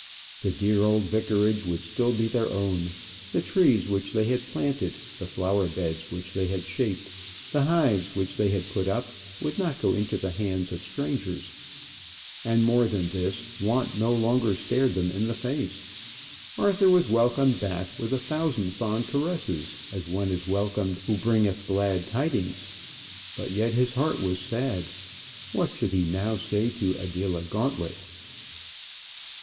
The dear old vicarage would still be their own; the trees which they had planted, the flower beds which they had shaped, the hives which they had put up, would not go into the hands of strangers. And more than this, want no longer stared them in the face. Arthur was welcomed back with a thousand fond caresses, as one is welcomed who bringeth glad tidings. But yet his heart was sad. What should he now say to Adela Gauntlet?